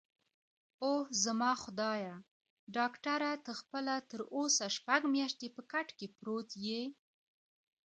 اووه، زما خدایه، ډاکټره ته خپله تراوسه شپږ میاشتې په کټ کې پروت یې؟